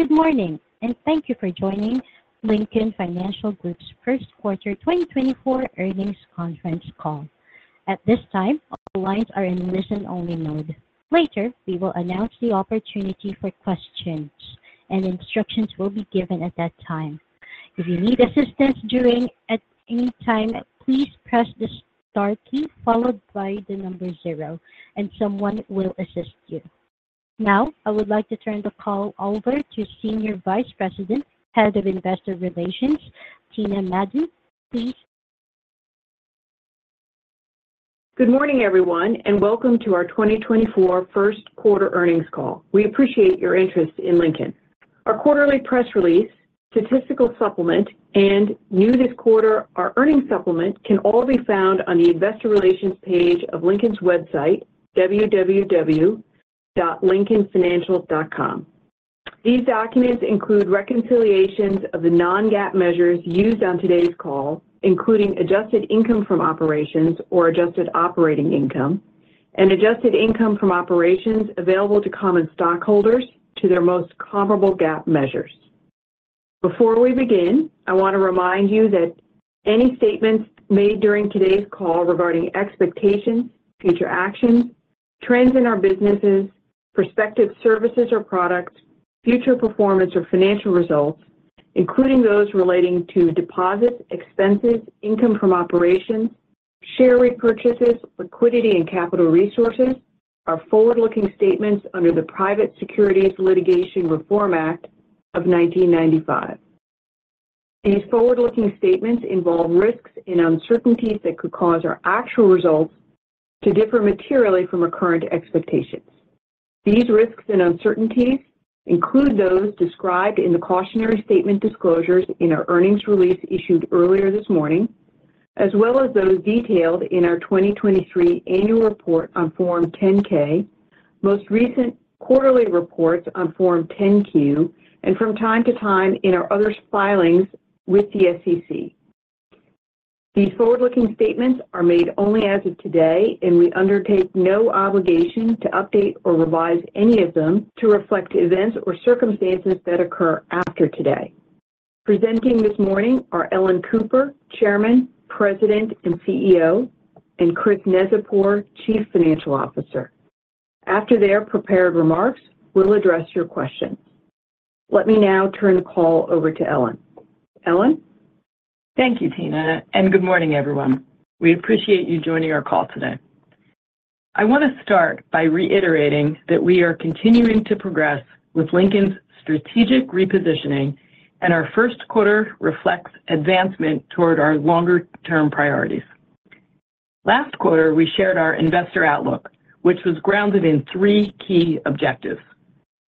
Good morning, and thank you for joining Lincoln Financial Group's First Quarter 2024 Earnings Conference Call. At this time, all lines are in listen-only mode. Later, we will announce the opportunity for questions, and instructions will be given at that time. If you need assistance during, at any time, please press the star key followed by the number zero, and someone will assist you. Now, I would like to turn the call over to Senior Vice President, Head of Investor Relations, Tina Madon. Please. Good morning, everyone, and welcome to our 2024 first quarter earnings call. We appreciate your interest in Lincoln. Our quarterly press release, statistical supplement, and new this quarter, our earnings supplement, can all be found on the investor relations page of Lincoln's website, www.lincolnfinancial.com. These documents include reconciliations of the non-GAAP measures used on today's call, including adjusted income from operations or adjusted operating income, and adjusted income from operations available to common stockholders to their most comparable GAAP measures. Before we begin, I want to remind you that any statements made during today's call regarding expectations, future actions, trends in our businesses, prospective services or products, future performance or financial results, including those relating to deposits, expenses, income from operations, share repurchases, liquidity, and capital resources, are forward-looking statements under the Private Securities Litigation Reform Act of 1995. These forward-looking statements involve risks and uncertainties that could cause our actual results to differ materially from our current expectations. These risks and uncertainties include those described in the cautionary statement disclosures in our earnings release issued earlier this morning, as well as those detailed in our 2023 annual report on Form 10-K, most recent quarterly reports on Form 10-Q, and from time to time in our other filings with the SEC. These forward-looking statements are made only as of today, and we undertake no obligation to update or revise any of them to reflect events or circumstances that occur after today. Presenting this morning are Ellen Cooper, Chairman, President, and CEO, and Chris Neczypor, Chief Financial Officer. After their prepared remarks, we'll address your questions. Let me now turn the call over to Ellen. Ellen? Thank you, Tina, and good morning, everyone. We appreciate you joining our call today. I want to start by reiterating that we are continuing to progress with Lincoln's strategic repositioning, and our first quarter reflects advancement toward our longer-term priorities. Last quarter, we shared our investor outlook, which was grounded in three key objectives.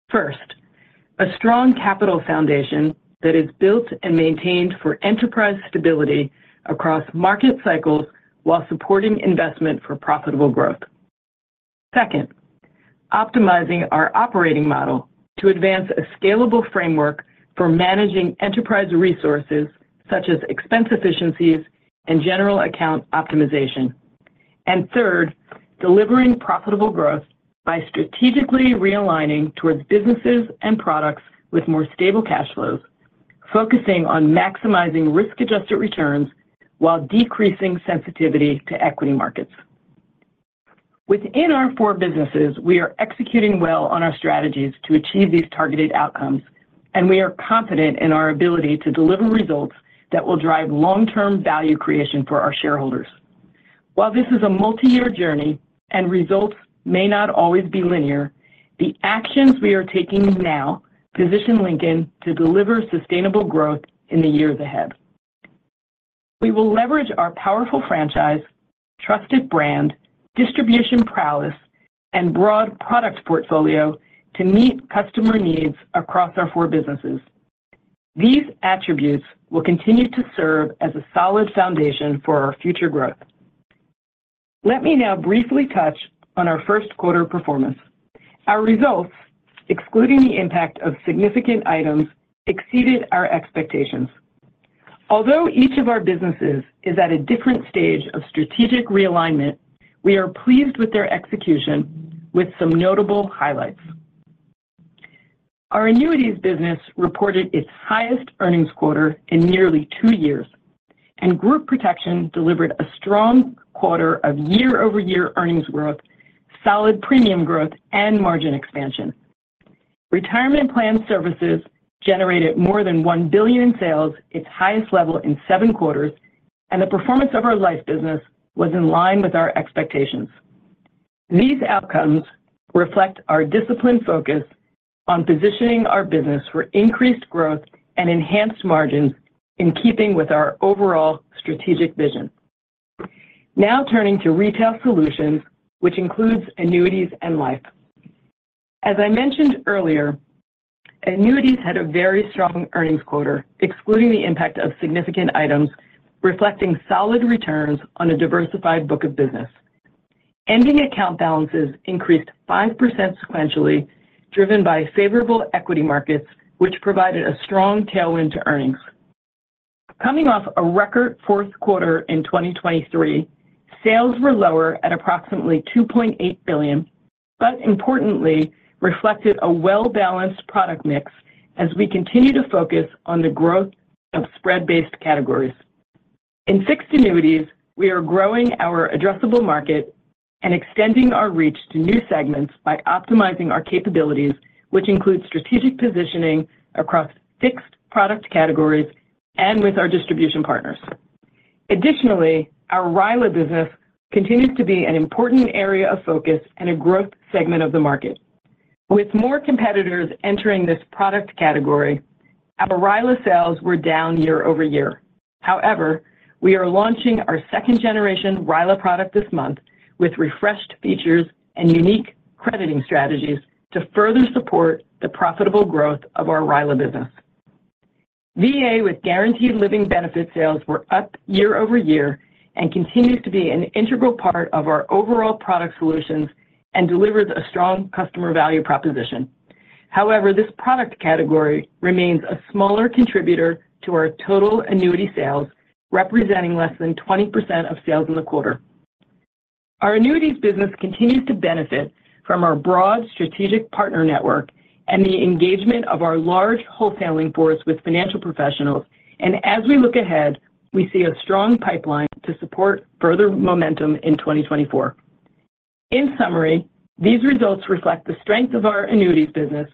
First, a strong capital foundation that is built and maintained for enterprise stability across market cycles while supporting investment for profitable growth. Second, optimizing our operating model to advance a scalable framework for managing enterprise resources such as expense efficiencies and general account optimization. And third, delivering profitable growth by strategically realigning towards businesses and products with more stable cash flows, focusing on maximizing risk-adjusted returns while decreasing sensitivity to equity markets. Within our four businesses, we are executing well on our strategies to achieve these targeted outcomes, and we are confident in our ability to deliver results that will drive long-term value creation for our shareholders. While this is a multi-year journey and results may not always be linear, the actions we are taking now position Lincoln to deliver sustainable growth in the years ahead. We will leverage our powerful franchise, trusted brand, distribution prowess, and broad product portfolio to meet customer needs across our four businesses. These attributes will continue to serve as a solid foundation for our future growth. Let me now briefly touch on our first quarter performance. Our results, excluding the impact of significant items, exceeded our expectations. Although each of our businesses is at a different stage of strategic realignment, we are pleased with their execution with some notable highlights. Our annuities business reported its highest earnings quarter in nearly two years, and Group Protection delivered a strong quarter of year-over-year earnings growth, solid premium growth, and margin expansion. Retirement Plan Services generated more than $1 billion in sales, its highest level in seven quarters, and the performance of our life business was in line with our expectations. These outcomes reflect our disciplined focus on positioning our business for increased growth and enhanced margins in keeping with our overall strategic vision. Now, turning to Retail Solutions, which includes annuities and life. As I mentioned earlier, annuities had a very strong earnings quarter, excluding the impact of significant items, reflecting solid returns on a diversified book of business. Ending account balances increased 5% sequentially, driven by favorable equity markets, which provided a strong tailwind to earnings. Coming off a record fourth quarter in 2023, sales were lower at approximately $2.8 billion, but importantly reflected a well-balanced product mix as we continue to focus on the growth of spread-based categories. In fixed annuities, we are growing our addressable market and extending our reach to new segments by optimizing our capabilities, which include strategic positioning across fixed product categories and with our distribution partners. Additionally, our RILA business continues to be an important area of focus and a growth segment of the market. With more competitors entering this product category, our RILA sales were down year over year. However, we are launching our second generation RILA product this month with refreshed features and unique crediting strategies to further support the profitable growth of our RILA business. VA, with guaranteed living benefit sales, were up year-over-year and continues to be an integral part of our overall product solutions and delivers a strong customer value proposition. However, this product category remains a smaller contributor to our total annuity sales, representing less than 20% of sales in the quarter. Our annuities business continues to benefit from our broad strategic partner network and the engagement of our large wholesaling force with financial professionals. As we look ahead, we see a strong pipeline to support further momentum in 2024. In summary, these results reflect the strength of our annuities business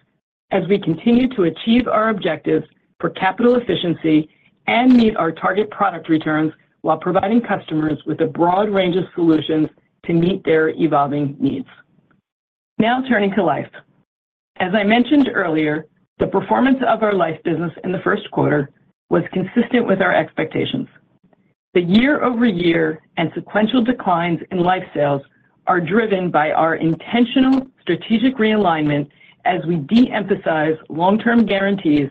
as we continue to achieve our objectives for capital efficiency and meet our target product returns, while providing customers with a broad range of solutions to meet their evolving needs. Now, turning to Life. As I mentioned earlier, the performance of our life business in the first quarter was consistent with our expectations. The year-over-year and sequential declines in life sales are driven by our intentional strategic realignment as we de-emphasize long-term guarantees,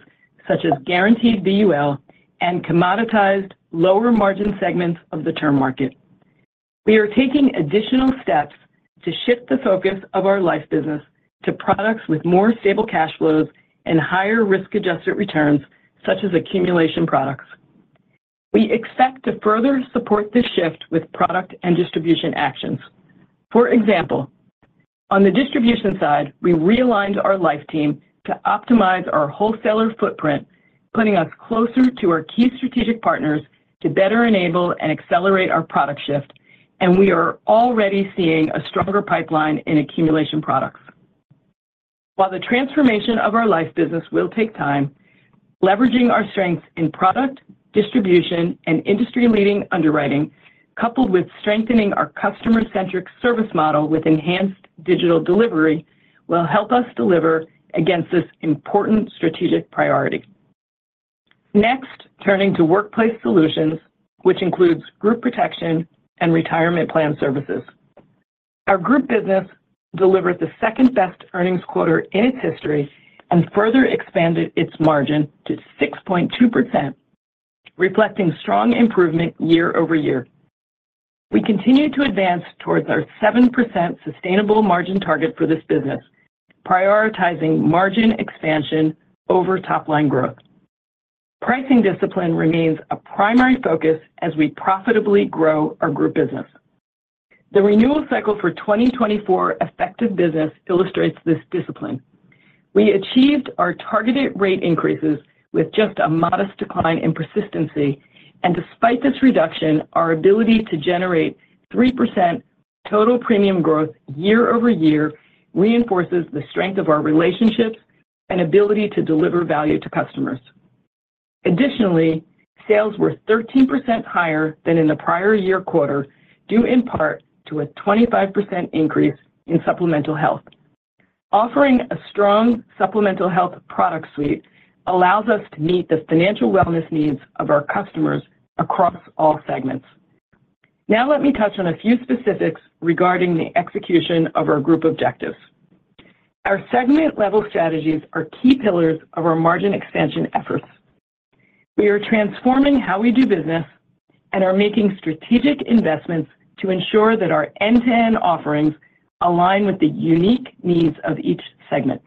such as guaranteed GUL and commoditized lower margin segments of the term market. We are taking additional steps to shift the focus of our life business to products with more stable cash flows and higher risk-adjusted returns, such as accumulation products. We expect to further support this shift with product and distribution actions. For example, on the distribution side, we realigned our life team to optimize our wholesaler footprint, putting us closer to our key strategic partners to better enable and accelerate our product shift, and we are already seeing a stronger pipeline in accumulation products. While the transformation of our life business will take time, leveraging our strengths in product, distribution, and industry-leading underwriting, coupled with strengthening our customer-centric service model with enhanced digital delivery, will help us deliver against this important strategic priority. Next, turning to workplace solutions, which includes group protection and retirement plan services. Our group business delivered the second-best earnings quarter in its history and further expanded its margin to 6.2%, reflecting strong improvement year-over-year. We continue to advance towards our 7% sustainable margin target for this business, prioritizing margin expansion over top line growth. Pricing discipline remains a primary focus as we profitably grow our group business. The renewal cycle for 2024 effective business illustrates this discipline. We achieved our targeted rate increases with just a modest decline in persistency, and despite this reduction, our ability to generate 3% total premium growth year-over-year reinforces the strength of our relationships and ability to deliver value to customers. Additionally, sales were 13% higher than in the prior year quarter, due in part to a 25% increase in supplemental health. Offering a strong supplemental health product suite allows us to meet the financial wellness needs of our customers across all segments. Now, let me touch on a few specifics regarding the execution of our group objectives. Our segment-level strategies are key pillars of our margin expansion efforts. We are transforming how we do business and are making strategic investments to ensure that our end-to-end offerings align with the unique needs of each segment.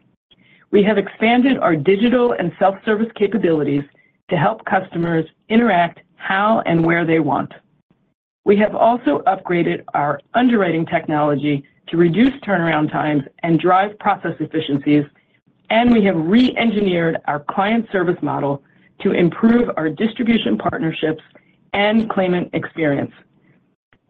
We have expanded our digital and self-service capabilities to help customers interact how and where they want. We have also upgraded our underwriting technology to reduce turnaround times and drive process efficiencies, and we have re-engineered our client service model to improve our distribution, partnerships, and claimant experience.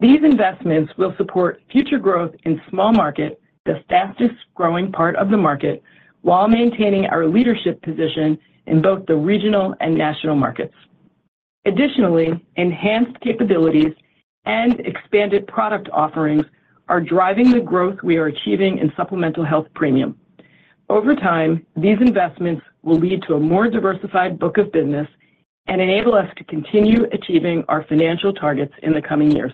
These investments will support future growth in small market, the fastest-growing part of the market, while maintaining our leadership position in both the regional and national markets. Additionally, enhanced capabilities and expanded product offerings are driving the growth we are achieving in supplemental health premium. Over time, these investments will lead to a more diversified book of business and enable us to continue achieving our financial targets in the coming years.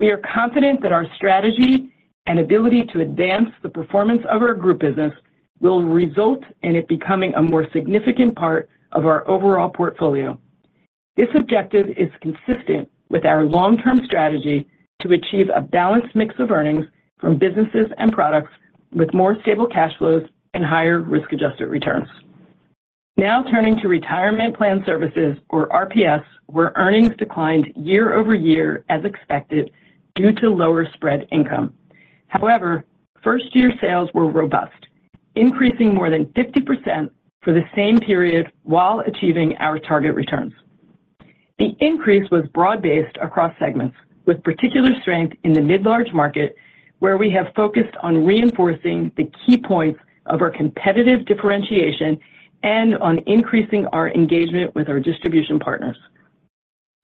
We are confident that our strategy and ability to advance the performance of our group business will result in it becoming a more significant part of our overall portfolio. This objective is consistent with our long-term strategy to achieve a balanced mix of earnings from businesses and products, with more stable cash flows and higher risk-adjusted returns. Now turning to Retirement Plan Services, or RPS, where earnings declined year-over-year as expected, due to lower spread income. However, first-year sales were robust, increasing more than 50% for the same period while achieving our target returns. The increase was broad-based across segments, with particular strength in the mid-large market, where we have focused on reinforcing the key points of our competitive differentiation and on increasing our engagement with our distribution partners.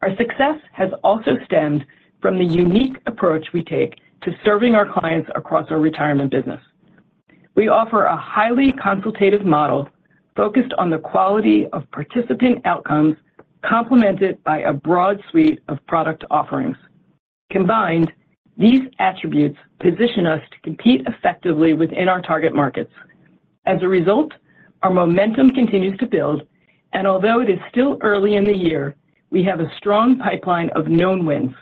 Our success has also stemmed from the unique approach we take to serving our clients across our retirement business. We offer a highly consultative model focused on the quality of participant outcomes, complemented by a broad suite of product offerings. Combined, these attributes position us to compete effectively within our target markets. As a result, our momentum continues to build, and although it is still early in the year, we have a strong pipeline of known wins.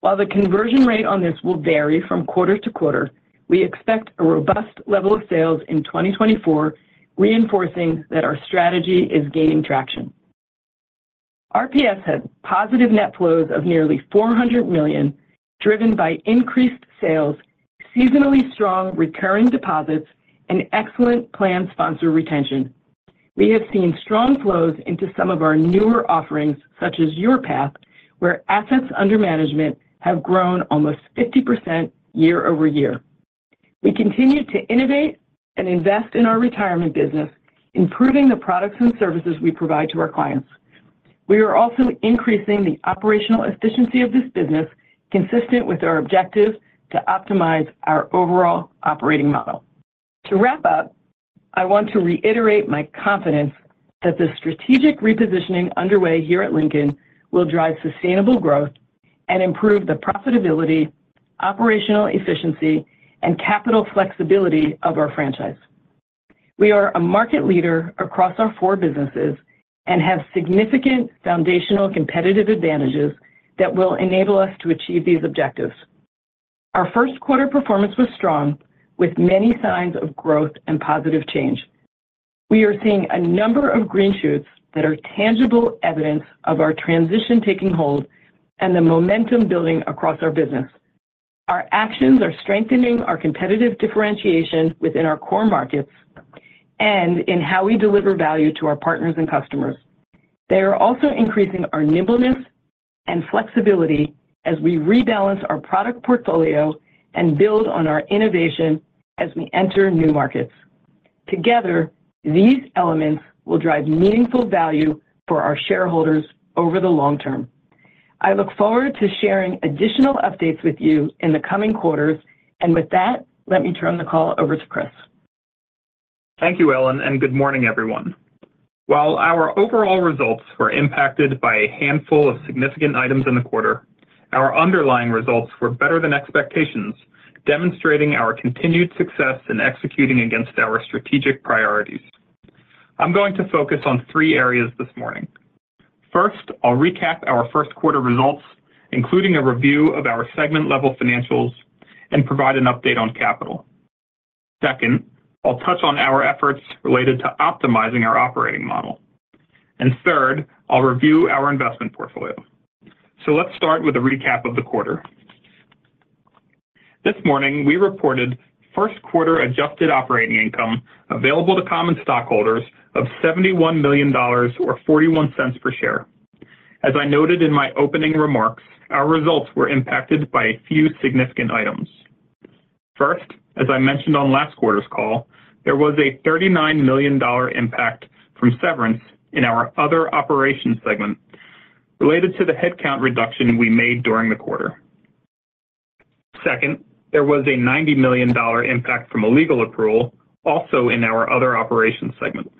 While the conversion rate on this will vary from quarter to quarter, we expect a robust level of sales in 2024, reinforcing that our strategy is gaining traction. RPS had positive net flows of nearly $400 million, driven by increased sales, seasonally strong recurring deposits, and excellent plan sponsor retention. We have seen strong flows into some of our newer offerings, such as YourPath, where assets under management have grown almost 50% year-over-year. We continue to innovate and invest in our retirement business, improving the products and services we provide to our clients. We are also increasing the operational efficiency of this business, consistent with our objective to optimize our overall operating model. To wrap up, I want to reiterate my confidence that the strategic repositioning underway here at Lincoln will drive sustainable growth and improve the profitability, operational efficiency, and capital flexibility of our franchise. We are a market leader across our four businesses and have significant foundational competitive advantages that will enable us to achieve these objectives. Our first quarter performance was strong, with many signs of growth and positive change. We are seeing a number of green shoots that are tangible evidence of our transition taking hold and the momentum building across our business. Our actions are strengthening our competitive differentiation within our core markets and in how we deliver value to our partners and customers. They are also increasing our nimbleness and flexibility as we rebalance our product portfolio and build on our innovation as we enter new markets. Together, these elements will drive meaningful value for our shareholders over the long term. I look forward to sharing additional updates with you in the coming quarters, and with that, let me turn the call over to Chris. Thank you, Ellen, and good morning, everyone. While our overall results were impacted by a handful of significant items in the quarter, our underlying results were better than expectations, demonstrating our continued success in executing against our strategic priorities. I'm going to focus on three areas this morning. First, I'll recap our first quarter results, including a review of our segment-level financials and provide an update on capital. Second, I'll touch on our efforts related to optimizing our operating model. And third, I'll review our investment portfolio. So let's start with a recap of the quarter. This morning, we reported first quarter adjusted operating income available to common stockholders of $71 million or $0.41 per share. As I noted in my opening remarks, our results were impacted by a few significant items. First, as I mentioned on last quarter's call, there was a $39 million impact from severance in our other operations segment related to the headcount reduction we made during the quarter. Second, there was a $90 million impact from a legal approval, also in our other operations segment.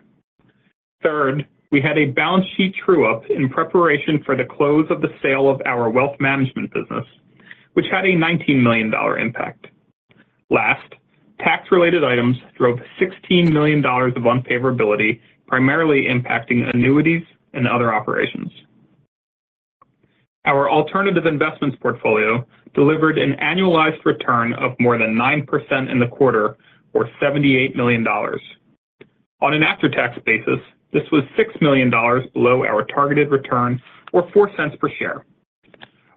Third, we had a balance sheet true up in preparation for the close of the sale of our wealth management business, which had a $19 million impact. Last, tax-related items drove $16 million of unfavorability, primarily impacting annuities and other operations. Our alternative investments portfolio delivered an annualized return of more than 9% in the quarter, or $78 million. On an after-tax basis, this was $6 million below our targeted return, or $0.04 per share.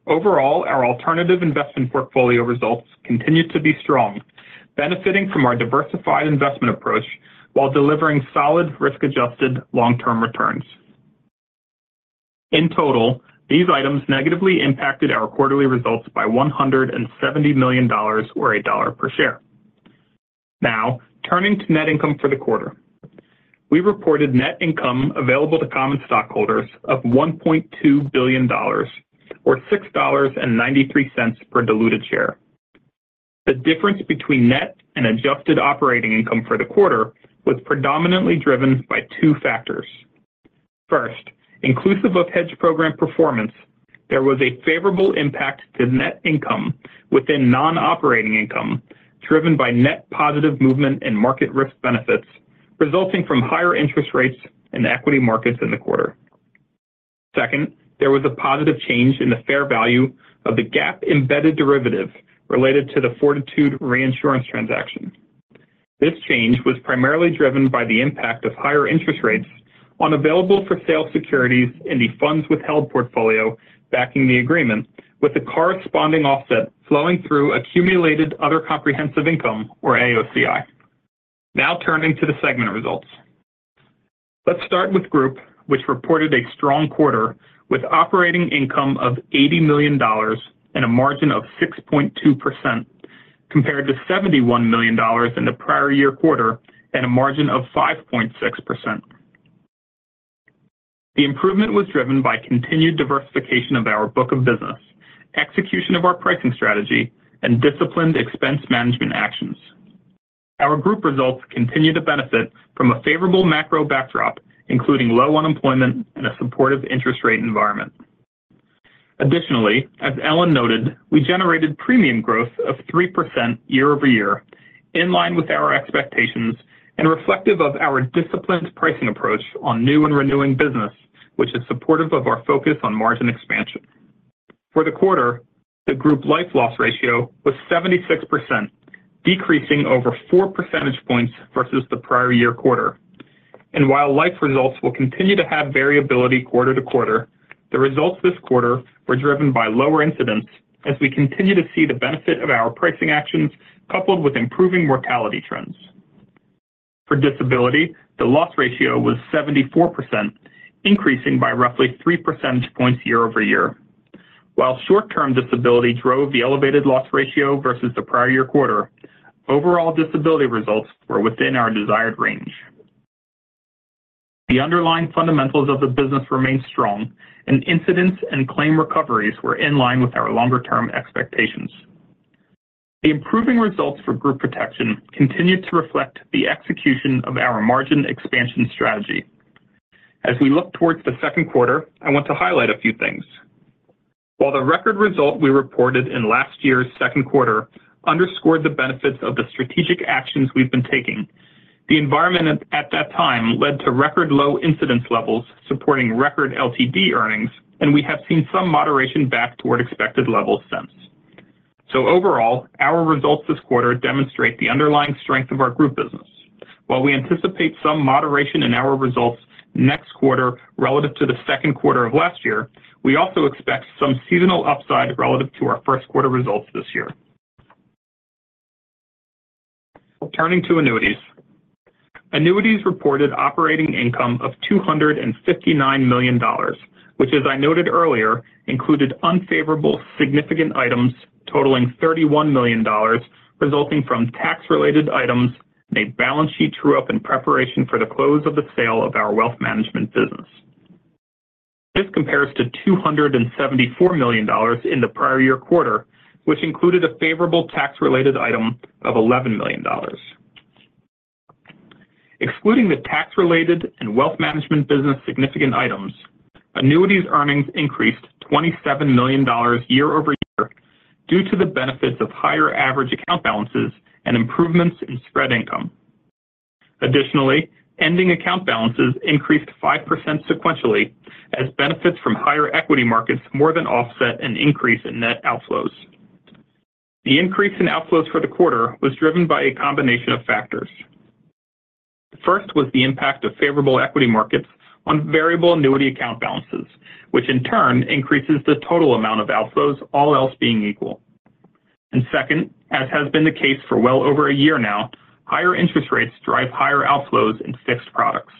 Overall, our alternative investment portfolio results continued to be strong, benefiting from our diversified investment approach while delivering solid risk-adjusted long-term returns. In total, these items negatively impacted our quarterly results by $170 million or $1 per share. Now, turning to net income for the quarter. We reported net income available to common stockholders of $1.2 billion, or $6.93 per diluted share. The difference between net and adjusted operating income for the quarter was predominantly driven by two factors. First, inclusive of hedge program performance, there was a favorable impact to net income within non-operating income, driven by net positive movement in market risk benefits, resulting from higher interest rates in the equity markets in the quarter. Second, there was a positive change in the fair value of the GAAP embedded derivative related to the Fortitude reinsurance transaction. This change was primarily driven by the impact of higher interest rates on available-for-sale securities in the funds withheld portfolio backing the agreement, with a corresponding offset flowing through accumulated other comprehensive income, or AOCI. Now turning to the segment results. Let's start with Group, which reported a strong quarter with operating income of $80 million and a margin of 6.2%, compared to $71 million in the prior year quarter and a margin of 5.6%. The improvement was driven by continued diversification of our book of business, execution of our pricing strategy, and disciplined expense management actions. Our group results continue to benefit from a favorable macro backdrop, including low unemployment and a supportive interest rate environment. Additionally, as Ellen noted, we generated premium growth of 3% year-over-year, in line with our expectations and reflective of our disciplined pricing approach on new and renewing business, which is supportive of our focus on margin expansion. For the quarter, the group life loss ratio was 76%, decreasing over 4 percentage points versus the prior year quarter. And while life results will continue to have variability quarter-to-quarter, the results this quarter were driven by lower incidence as we continue to see the benefit of our pricing actions, coupled with improving mortality trends. For disability, the loss ratio was 74%, increasing by roughly 3 percentage points year-over-year. While short-term disability drove the elevated loss ratio versus the prior year quarter, overall disability results were within our desired range. The underlying fundamentals of the business remained strong, and incidents and claim recoveries were in line with our longer-term expectations. The improving results for Group Protection continued to reflect the execution of our margin expansion strategy. As we look towards the second quarter, I want to highlight a few things. While the record result we reported in last year's second quarter underscored the benefits of the strategic actions we've been taking, the environment at that time led to record low incidence levels, supporting record LTD earnings, and we have seen some moderation back toward expected levels since. So overall, our results this quarter demonstrate the underlying strength of our group business. While we anticipate some moderation in our results next quarter relative to the second quarter of last year, we also expect some seasonal upside relative to our first quarter results this year. Turning to Annuities. Annuities reported operating income of $259 million, which, as I noted earlier, included unfavorable significant items totaling $31 million, resulting from tax-related items and a balance sheet true up in preparation for the close of the sale of our wealth management business. This compares to $274 million in the prior year quarter, which included a favorable tax-related item of $11 million. Excluding the tax-related and wealth management business significant items, annuities earnings increased $27 million year-over-year due to the benefits of higher average account balances and improvements in spread income. Additionally, ending account balances increased 5% sequentially as benefits from higher equity markets more than offset an increase in net outflows. The increase in outflows for the quarter was driven by a combination of factors. First was the impact of favorable equity markets on variable annuity account balances, which in turn increases the total amount of outflows, all else being equal. Second, as has been the case for well over a year now, higher interest rates drive higher outflows in fixed products.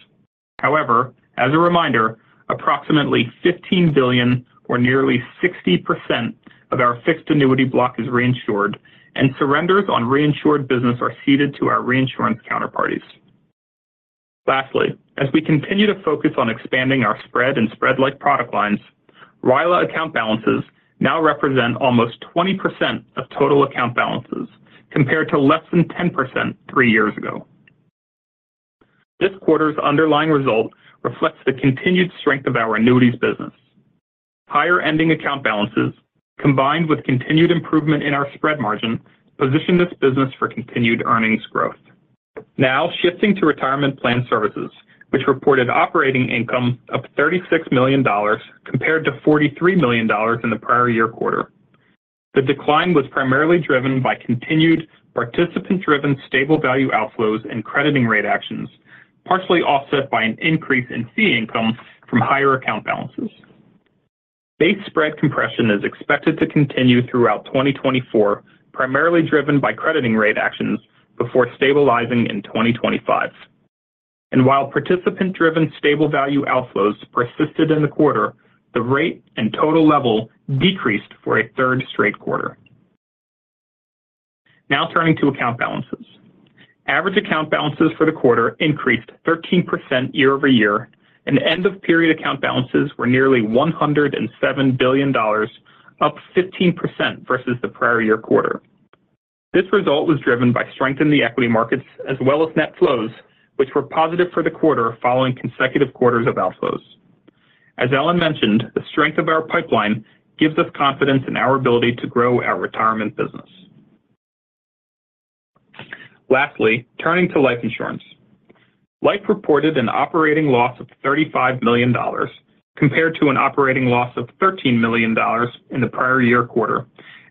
However, as a reminder, approximately $15 billion or nearly 60% of our fixed annuity block is reinsured, and surrenders on reinsured business are ceded to our reinsurance counterparties. Lastly, as we continue to focus on expanding our spread and spread-like product lines, RILA account balances now represent almost 20% of total account balances, compared to less than 10% three years ago. This quarter's underlying result reflects the continued strength of our annuities business. Higher ending account balances, combined with continued improvement in our spread margin, position this business for continued earnings growth. Now shifting to retirement plan services, which reported operating income of $36 million compared to $43 million in the prior year quarter. The decline was primarily driven by continued participant-driven stable value outflows and crediting rate actions, partially offset by an increase in fee income from higher account balances. Base spread compression is expected to continue throughout 2024, primarily driven by crediting rate actions, before stabilizing in 2025. And while participant-driven stable value outflows persisted in the quarter, the rate and total level decreased for a third straight quarter. Now turning to account balances. Average account balances for the quarter increased 13% year-over-year, and end-of-period account balances were nearly $107 billion, up 15% versus the prior year quarter. This result was driven by strength in the equity markets as well as net flows, which were positive for the quarter following consecutive quarters of outflows. As Ellen mentioned, the strength of our pipeline gives us confidence in our ability to grow our retirement business. Lastly, turning to Life Insurance. Life reported an operating loss of $35 million compared to an operating loss of $13 million in the prior year quarter,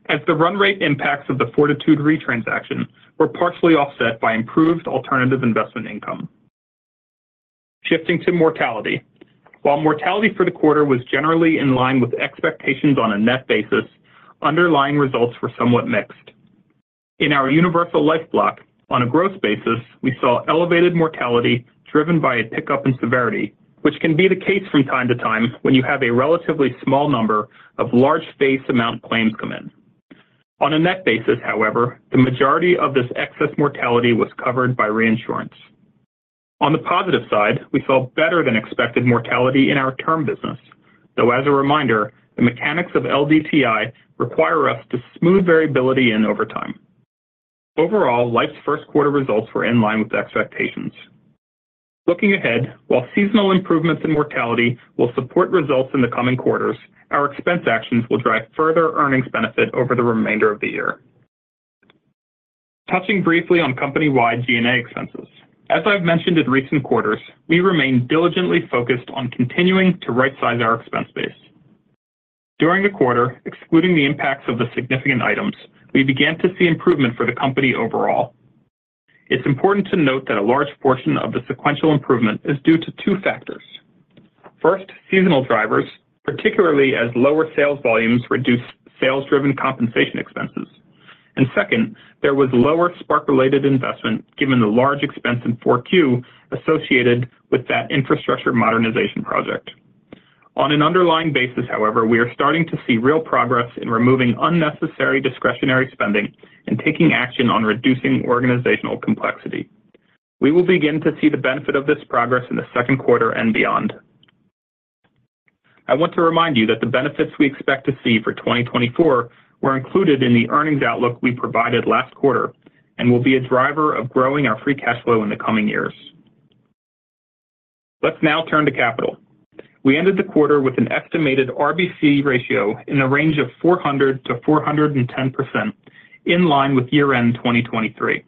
as the run rate impacts of the Fortitude Re transaction were partially offset by improved alternative investment income. Shifting to mortality. While mortality for the quarter was generally in line with expectations on a net basis, underlying results were somewhat mixed. In our Universal Life block, on a gross basis, we saw elevated mortality driven by a pickup in severity, which can be the case from time to time when you have a relatively small number of large face amount claims come in. On a net basis, however, the majority of this excess mortality was covered by reinsurance. On the positive side, we saw better-than-expected mortality in our term business, though as a reminder, the mechanics of LDTI require us to smooth variability in over time. Overall, Life's first quarter results were in line with expectations. Looking ahead, while seasonal improvements in mortality will support results in the coming quarters, our expense actions will drive further earnings benefit over the remainder of the year. Touching briefly on company-wide G&A expenses. As I've mentioned in recent quarters, we remain diligently focused on continuing to rightsize our expense base. During the quarter, excluding the impacts of the significant items, we began to see improvement for the company overall. It's important to note that a large portion of the sequential improvement is due to two factors. First, seasonal drivers, particularly as lower sales volumes reduce sales-driven compensation expenses. And second, there was lower Spark-related investment, given the large expense in Q4 associated with that infrastructure modernization project. On an underlying basis, however, we are starting to see real progress in removing unnecessary discretionary spending and taking action on reducing organizational complexity. We will begin to see the benefit of this progress in the second quarter and beyond. I want to remind you that the benefits we expect to see for 2024 were included in the earnings outlook we provided last quarter and will be a driver of growing our free cash flow in the coming years. Let's now turn to capital. We ended the quarter with an estimated RBC ratio in the range of 400%-410%, in line with year-end 2023.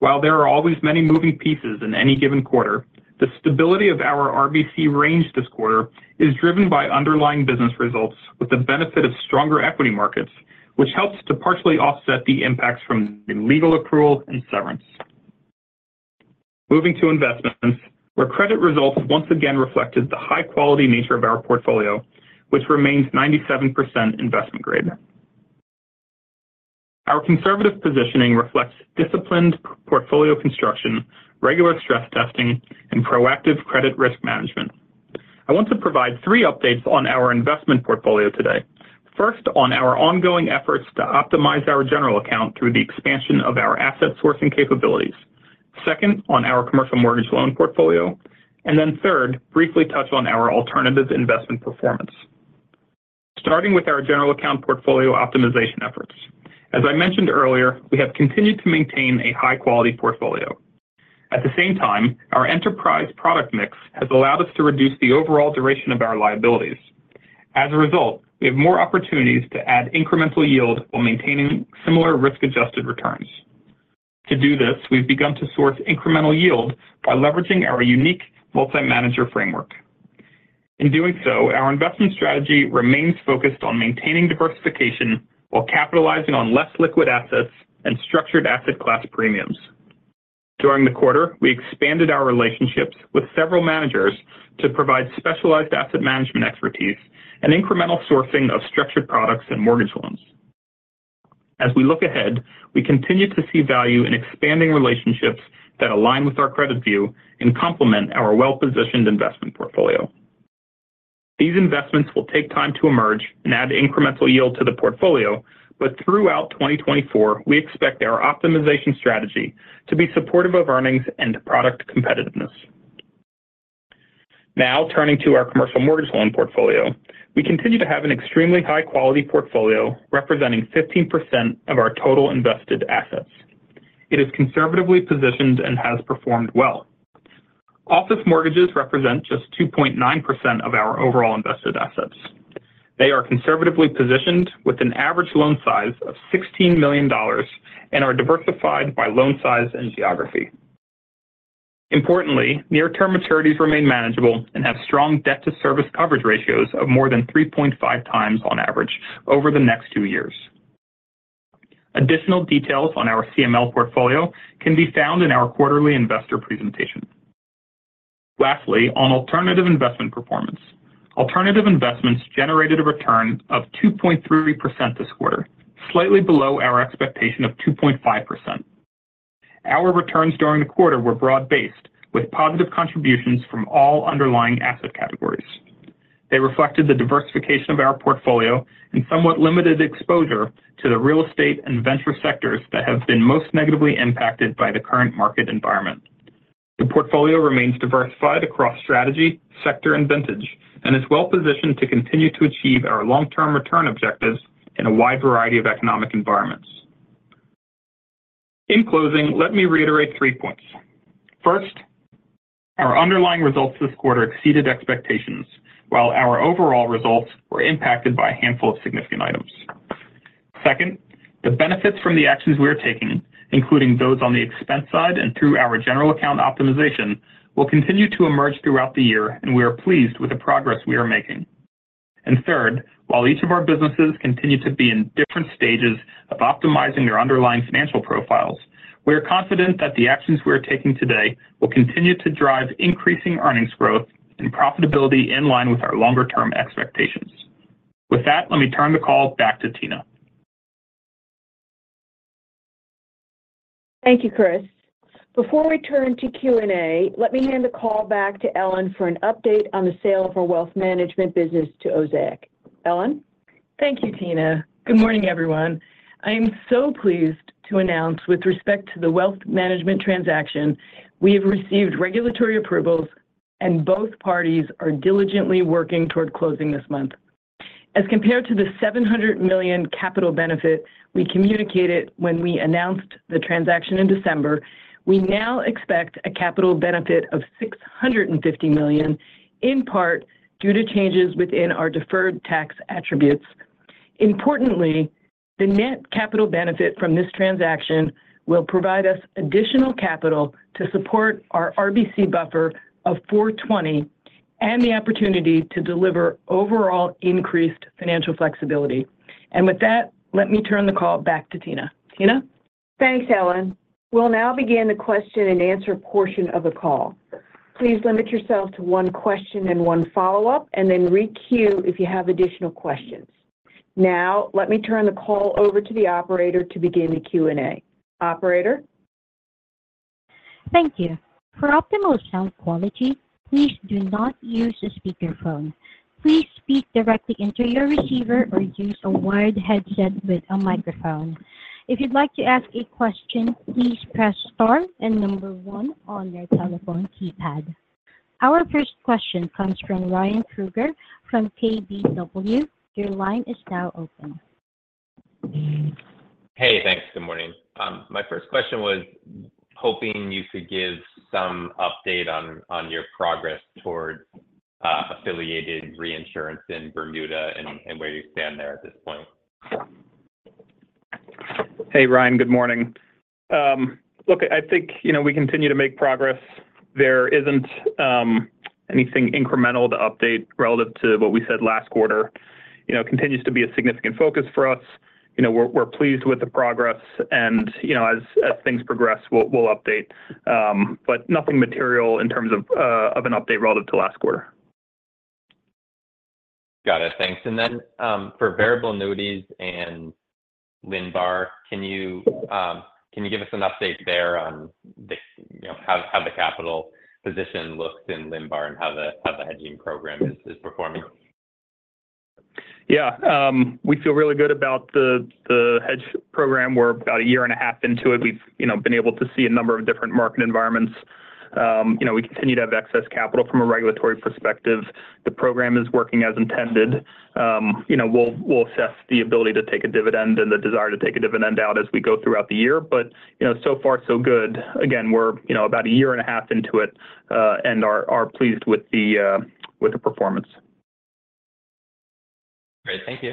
While there are always many moving pieces in any given quarter, the stability of our RBC range this quarter is driven by underlying business results with the benefit of stronger equity markets, which helps to partially offset the impacts from the legal accrual and severance. Moving to investments, where credit results once again reflected the high-quality nature of our portfolio, which remains 97% investment grade. Our conservative positioning reflects disciplined portfolio construction, regular stress testing, and proactive credit risk management. I want to provide three updates on our investment portfolio today. First, on our ongoing efforts to optimize our general account through the expansion of our asset sourcing capabilities. Second, on our commercial mortgage loan portfolio. Then third, briefly touch on our alternative investment performance. Starting with our General Account portfolio optimization efforts. As I mentioned earlier, we have continued to maintain a high-quality portfolio. At the same time, our enterprise product mix has allowed us to reduce the overall duration of our liabilities. As a result, we have more opportunities to add incremental yield while maintaining similar risk-adjusted returns. To do this, we've begun to source incremental yield by leveraging our unique multi-manager framework. In doing so, our investment strategy remains focused on maintaining diversification while capitalizing on less liquid assets and structured asset class premiums. During the quarter, we expanded our relationships with several managers to provide specialized asset management expertise and incremental sourcing of structured products and mortgage loans. As we look ahead, we continue to see value in expanding relationships that align with our credit view and complement our well-positioned investment portfolio. These investments will take time to emerge and add incremental yield to the portfolio, but throughout 2024, we expect our optimization strategy to be supportive of earnings and product competitiveness. Now, turning to our commercial mortgage loan portfolio. We continue to have an extremely high-quality portfolio, representing 15% of our total invested assets. It is conservatively positioned and has performed well. Office mortgages represent just 2.9% of our overall invested assets. They are conservatively positioned with an average loan size of $16 million and are diversified by loan size and geography. Importantly, near-term maturities remain manageable and have strong debt-to-service coverage ratios of more than 3.5 times on average over the next two years. Additional details on our CML portfolio can be found in our quarterly investor presentation. Lastly, on alternative investment performance. Alternative investments generated a return of 2.3% this quarter, slightly below our expectation of 2.5%. Our returns during the quarter were broad-based, with positive contributions from all underlying asset categories. They reflected the diversification of our portfolio and somewhat limited exposure to the real estate and venture sectors that have been most negatively impacted by the current market environment. The portfolio remains diversified across strategy, sector, and vintage, and is well positioned to continue to achieve our long-term return objectives in a wide variety of economic environments. In closing, let me reiterate three points. First our underlying results this quarter exceeded expectations, while our overall results were impacted by a handful of significant items. Second, the benefits from the actions we are taking, including those on the expense side and through our General Account optimization, will continue to emerge throughout the year, and we are pleased with the progress we are making. And third, while each of our businesses continue to be in different stages of optimizing their underlying financial profiles, we are confident that the actions we are taking today will continue to drive increasing earnings growth and profitability in line with our longer-term expectations. With that, let me turn the call back to Tina. Thank you, Chris. Before we turn to Q&A, let me hand the call back to Ellen for an update on the sale of our wealth management business to Osaic. Ellen? Thank you, Tina. Good morning, everyone. I am so pleased to announce, with respect to the wealth management transaction, we have received regulatory approvals, and both parties are diligently working toward closing this month. As compared to the $700 million capital benefit we communicated when we announced the transaction in December, we now expect a capital benefit of $650 million, in part due to changes within our deferred tax attributes. Importantly, the net capital benefit from this transaction will provide us additional capital to support our RBC buffer of 420 and the opportunity to deliver overall increased financial flexibility. And with that, let me turn the call back to Tina. Tina? Thanks, Ellen. We'll now begin the question and answer portion of the call. Please limit yourself to one question and one follow-up, and then re-queue if you have additional questions. Now, let me turn the call over to the operator to begin the Q&A. Operator? Thank you. For optimal sound quality, please do not use a speakerphone. Please speak directly into your receiver or use a wired headset with a microphone. If you'd like to ask a question, please press Star and number one on your telephone keypad. Our first question comes from Ryan Krueger from KBW. Your line is now open. Hey, thanks. Good morning. My first question was hoping you could give some update on your progress toward affiliated reinsurance in Bermuda and where you stand there at this point. Hey, Ryan. Good morning. Look, I think, you know, we continue to make progress. There isn't anything incremental to update relative to what we said last quarter. You know, it continues to be a significant focus for us. You know, we're pleased with the progress and, you know, as things progress, we'll update, but nothing material in terms of an update relative to last quarter. Got it. Thanks. And then, for variable annuities and LINBAR, can you give us an update there on the, you know, how the capital position looks in LINBAR and how the hedging program is performing? Yeah. We feel really good about the, the hedge program. We're about a year and a half into it. We've, you know, been able to see a number of different market environments. You know, we continue to have excess capital from a regulatory perspective. The program is working as intended. You know, we'll, we'll assess the ability to take a dividend and the desire to take a dividend out as we go throughout the year, but, you know, so far so good. Again, we're, you know, about a year and a half into it, and are, are pleased with the, with the performance. Great. Thank you.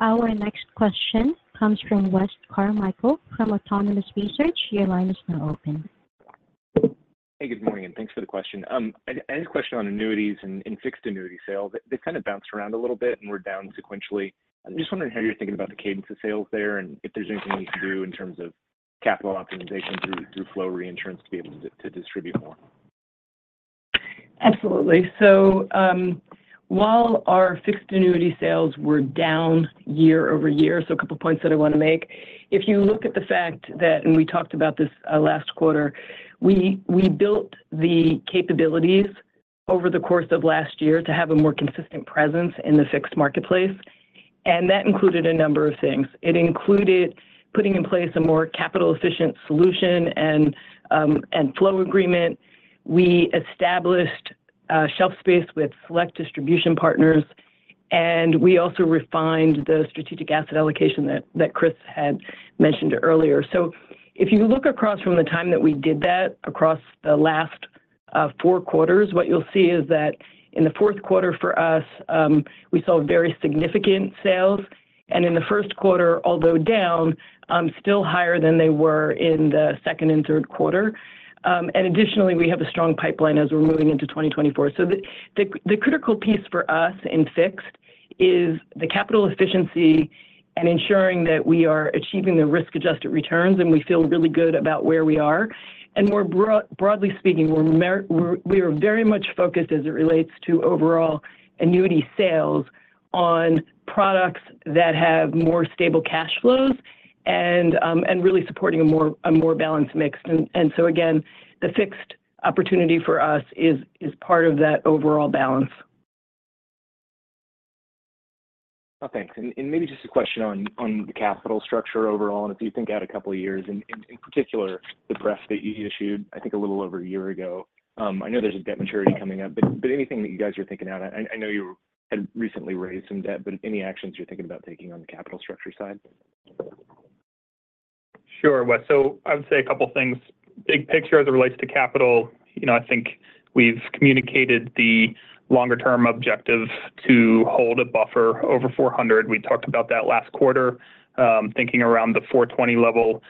Our next question comes from Wes Carmichael from Autonomous Research. Your line is now open. Hey, good morning, and thanks for the question. I had a question on annuities and fixed annuity sales. They kind of bounced around a little bit and were down sequentially. I'm just wondering how you're thinking about the cadence of sales there, and if there's anything you can do in terms of capital optimization through flow reinsurance to be able to distribute more? Absolutely. So, while our fixed annuity sales were down year-over-year, a couple of points that I want to make. If you look at the fact that, and we talked about this last quarter, we built the capabilities over the course of last year to have a more consistent presence in the fixed marketplace, and that included a number of things. It included putting in place a more capital-efficient solution and flow agreement. We established shelf space with select distribution partners, and we also refined the strategic asset allocation that Chris had mentioned earlier. So if you look across from the time that we did that, across the last four quarters, what you'll see is that in the fourth quarter for us, we saw very significant sales, and in the first quarter, although down, still higher than they were in the second and third quarter. And additionally, we have a strong pipeline as we're moving into 2024. So the critical piece for us in fixed is the capital efficiency and ensuring that we are achieving the risk-adjusted returns, and we feel really good about where we are. And more broadly speaking, we are very much focused as it relates to overall annuity sales on products that have more stable cash flows and really supporting a more balanced mix. And so again, the fixed opportunity for us is part of that overall balance. Oh, thanks. And maybe just a question on the capital structure overall, and if you think out a couple of years, in particular, the Pref that you issued, I think, a little over a year ago. I know there's a debt maturity coming up, but anything that you guys are thinking out? I know you had recently raised some debt, but any actions you're thinking about taking on the capital structure side? Sure, Wes. So I would say a couple things. Big picture as it relates to capital, you know, I think we've communicated the longer term objective to hold a buffer over 400. We talked about that last quarter, thinking around the 420 level.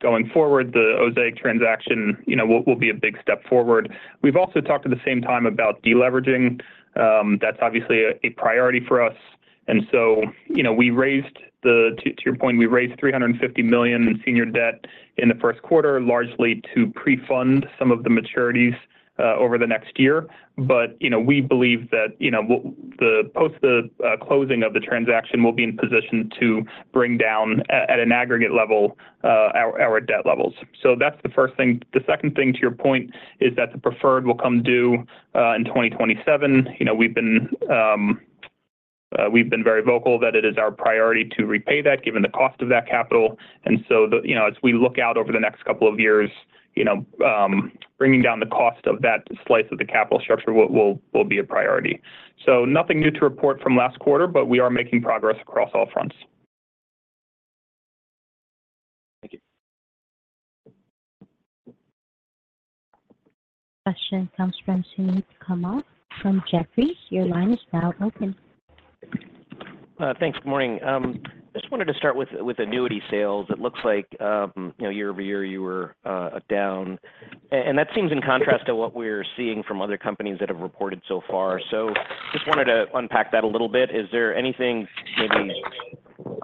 Going forward, the Osaic transaction, you know, will be a big step forward. We've also talked at the same time about deleveraging. That's obviously a priority for us, and so, you know, we raised—to your point, we raised $350 million in senior debt in the first quarter, largely to prefund some of the maturities over the next year. But, you know, we believe that, the post-closing of the transaction, we'll be in position to bring down at an aggregate level our debt levels. So that's the first thing. The second thing, to your point, is that the preferred will come due in 2027. You know, we've been very vocal that it is our priority to repay that, given the cost of that capital. And so the... You know, as we look out over the next couple of years, you know, bringing down the cost of that slice of the capital structure will be a priority. So nothing new to report from last quarter, but we are making progress across all fronts. Thank you. Question comes from Suneet Kamath from Jefferies. Your line is now open. Thanks. Good morning. Just wanted to start with annuity sales. It looks like, you know, year-over-year, you were down. And that seems in contrast to what we're seeing from other companies that have reported so far. So just wanted to unpack that a little bit. Is there anything maybe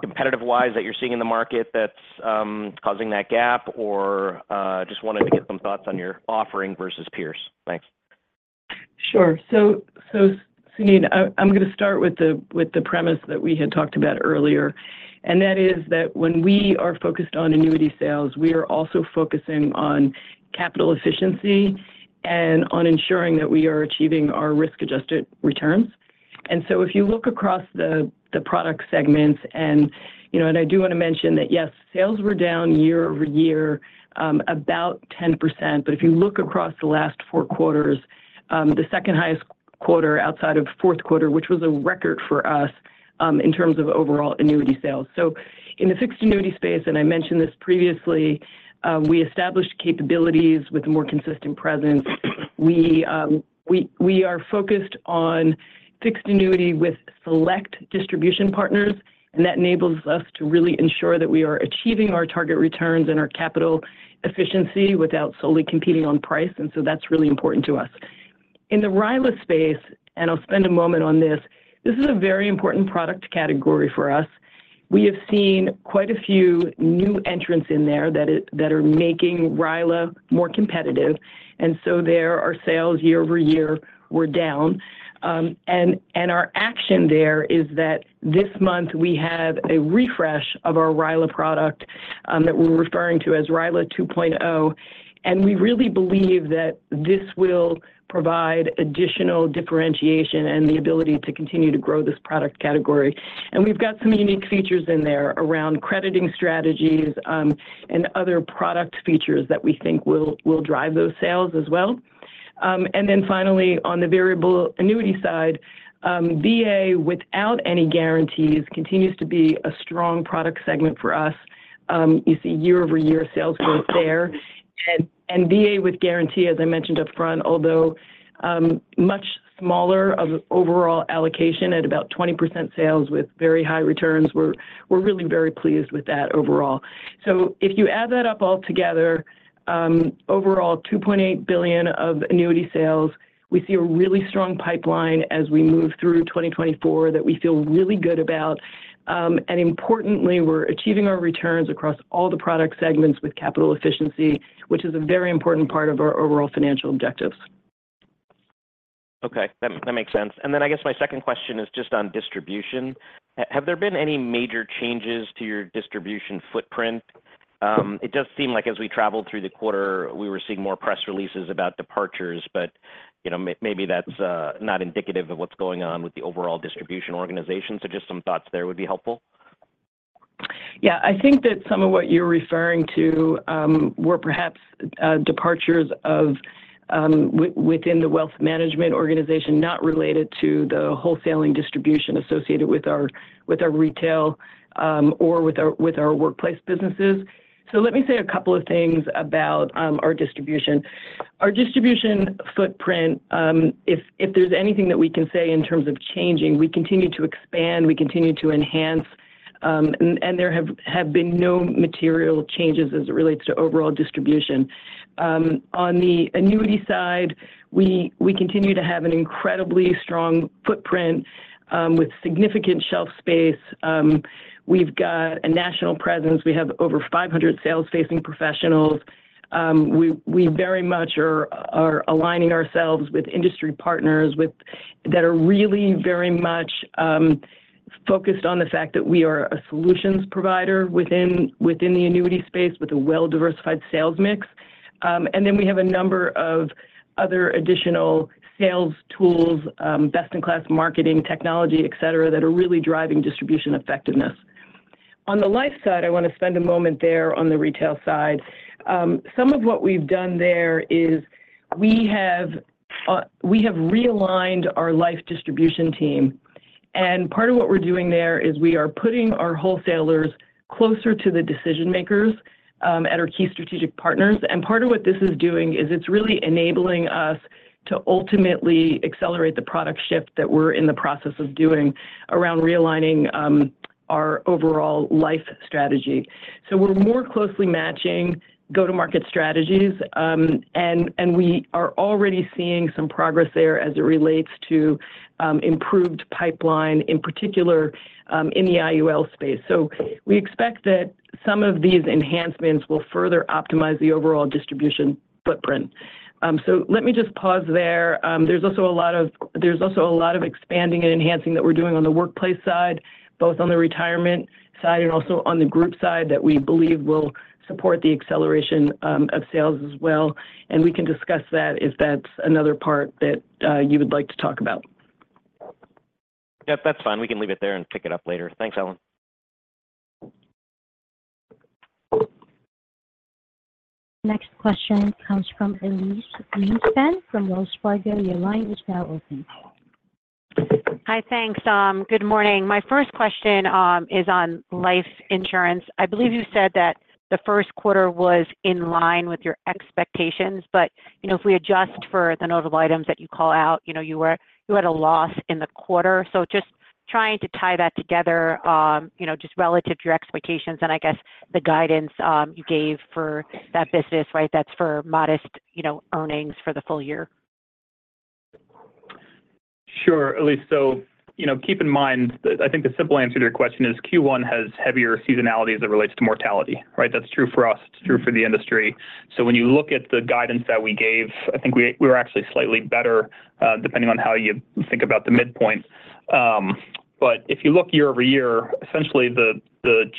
competitive-wise that you're seeing in the market that's causing that gap? Or, just wanted to get some thoughts on your offering versus peers. Thanks. Sure. Suneet, I'm gonna start with the premise that we had talked about earlier, and that is that when we are focused on annuity sales, we are also focusing on capital efficiency and on ensuring that we are achieving our risk-adjusted returns. So if you look across the product segments, you know, and I do want to mention that, yes, sales were down year-over-year about 10%. But if you look across the last four quarters, the second highest quarter outside of fourth quarter, which was a record for us, in terms of overall annuity sales. So in the fixed annuity space, and I mentioned this previously, we established capabilities with a more consistent presence. We are focused on fixed annuity with select distribution partners, and that enables us to really ensure that we are achieving our target returns and our capital efficiency without solely competing on price, and so that's really important to us. In the RILA space, and I'll spend a moment on this, this is a very important product category for us. We have seen quite a few new entrants in there that are making RILA more competitive, and so there our sales year-over-year were down. And our action there is that this month we have a refresh of our RILA product, that we're referring to as RILA 2.0, and we really believe that this will provide additional differentiation and the ability to continue to grow this product category. And we've got some unique features in there around crediting strategies, and other product features that we think will drive those sales as well. And then finally, on the variable annuity side, VA without any guarantees continues to be a strong product segment for us. You see year-over-year sales growth there. And VA with guarantee, as I mentioned upfront, although much smaller of overall allocation at about 20% sales with very high returns, we're really very pleased with that overall. So if you add that up all together, overall $2.8 billion of annuity sales, we see a really strong pipeline as we move through 2024 that we feel really good about. Importantly, we're achieving our returns across all the product segments with capital efficiency, which is a very important part of our overall financial objectives. Okay, that makes sense. And then I guess my second question is just on distribution. Have there been any major changes to your distribution footprint? It does seem like as we traveled through the quarter, we were seeing more press releases about departures, but, you know, maybe that's not indicative of what's going on with the overall distribution organization. So just some thoughts there would be helpful. Yeah, I think that some of what you're referring to were perhaps departures within the wealth management organization, not related to the wholesaling distribution associated with our retail or our workplace businesses. So let me say a couple of things about our distribution. Our distribution footprint, if there's anything that we can say in terms of changing, we continue to expand, we continue to enhance, and there have been no material changes as it relates to overall distribution. On the annuity side, we continue to have an incredibly strong footprint with significant shelf space. We've got a national presence. We have over 500 sales-facing professionals. We very much are aligning ourselves with industry partners with that are really very much focused on the fact that we are a solutions provider within the annuity space with a well-diversified sales mix. And then we have a number of other additional sales tools, best-in-class marketing technology, et cetera, that are really driving distribution effectiveness. On the life side, I want to spend a moment there on the retail side. Some of what we've done there is we have realigned our life distribution team. Part of what we're doing there is we are putting our wholesalers closer to the decision-makers at our key strategic partners. And part of what this is doing is it's really enabling us to ultimately accelerate the product shift that we're in the process of doing around realigning our overall life strategy. So we're more closely matching go-to-market strategies, and we are already seeing some progress there as it relates to improved pipeline, in particular, in the IUL space. So we expect that some of these enhancements will further optimize the overall distribution footprint. So let me just pause there. There's also a lot of expanding and enhancing that we're doing on the workplace side, both on the retirement side and also on the group side, that we believe will support the acceleration of sales as well, and we can discuss that if that's another part that you would like to talk about. Yep, that's fine. We can leave it there and pick it up later. Thanks, Ellen. Next question comes from Elyse Greenspan from Wells Fargo. Your line is now open. Hi. Thanks, good morning. My first question is on life insurance. I believe you said that the first quarter was in line with your expectations, but, you know, if we adjust for the notable items that you call out, you know, you had a loss in the quarter. So just trying to tie that together, you know, just relative to your expectations and I guess the guidance you gave for that business, right? That's for modest, you know, earnings for the full year. Sure, Elyse. So, you know, keep in mind that I think the simple answer to your question is Q1 has heavier seasonality as it relates to mortality, right? That's true for us, it's true for the industry. So when you look at the guidance that we gave, I think we were actually slightly better, depending on how you think about the midpoint. But if you look year-over-year, essentially the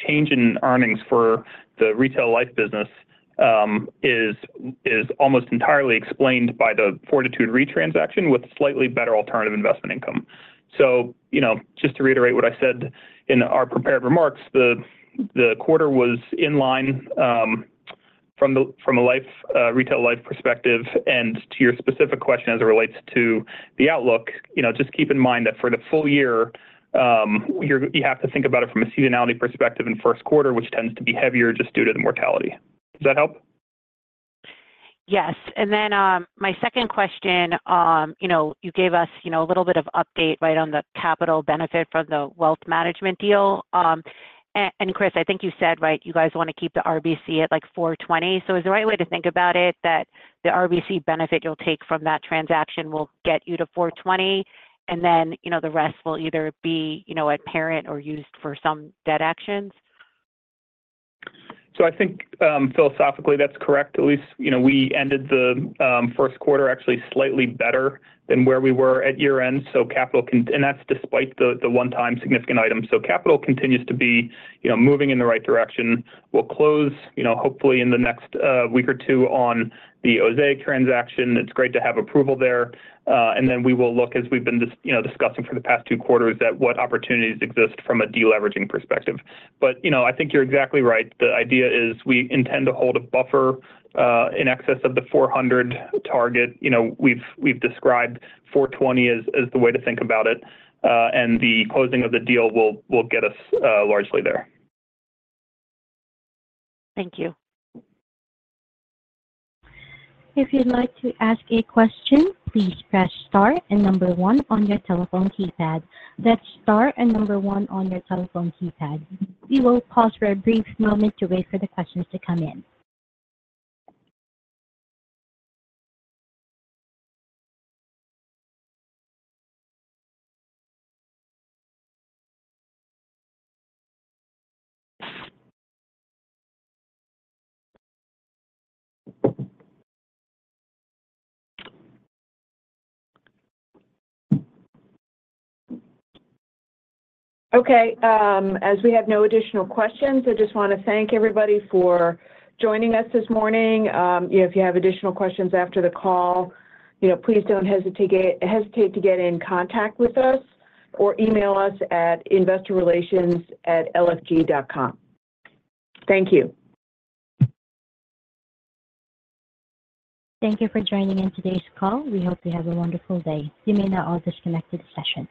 change in earnings for the retail life business is almost entirely explained by the Fortitude Re transaction with slightly better alternative investment income. So, you know, just to reiterate what I said in our prepared remarks, the quarter was in line, from a retail life perspective. To your specific question as it relates to the outlook, you know, just keep in mind that for the full year, you have to think about it from a seasonality perspective in first quarter, which tends to be heavier just due to the mortality. Does that help? Yes. And then, my second question, you know, you gave us, you know, a little bit of update, right, on the capital benefit from the wealth management deal. And Chris, I think you said, right, you guys want to keep the RBC at, like, 420. So is the right way to think about it that the RBC benefit you'll take from that transaction will get you to 420, and then, you know, the rest will either be, you know, at parent or used for some debt actions? So I think, philosophically, that's correct, Elyse. You know, we ended the first quarter actually slightly better than where we were at year-end, so capital continues and that's despite the one-time significant item. So capital continues to be, you know, moving in the right direction. We'll close, you know, hopefully in the next week or two on the Osaic transaction. It's great to have approval there. And then we will look, as we've been discussing for the past two quarters, at what opportunities exist from a deleveraging perspective. But, you know, I think you're exactly right. The idea is we intend to hold a buffer in excess of the 400 target. You know, we've described 420 as the way to think about it, and the closing of the deal will get us largely there. Thank you. If you'd like to ask a question, please press star and number one on your telephone keypad. That's star and number one on your telephone keypad. We will pause for a brief moment to wait for the questions to come in. Okay, as we have no additional questions, I just want to thank everybody for joining us this morning. You know, if you have additional questions after the call, you know, please don't hesitate to get in contact with us, or email us at investor.relations@lfg.com. Thank you. Thank you for joining in today's call. We hope you have a wonderful day. You may now all disconnect the session.